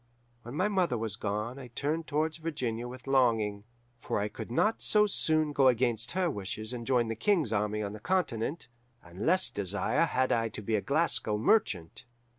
When my mother was gone I turned towards Virginia with longing, for I could not so soon go against her wishes and join the King's army on the Continent, and less desire had I to be a Glasgow merchant.